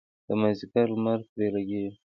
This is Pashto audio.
د مازدیګر لمر پرې لګیږي.